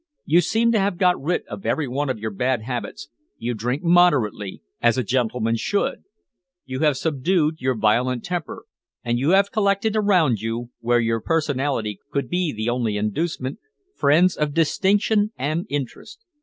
You seem to have got rid of every one of your bad habits, you drink moderately, as a gentleman should, you have subdued your violent temper, and you have collected around you, where your personality could be the only inducement, friends of distinction and interest.